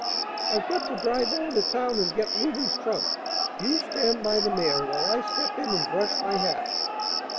"I've got to drive over to town and get Reuben's trunk. You stand by the mare while I step in and brush my hat."